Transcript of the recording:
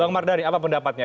bang mardari apa pendapatnya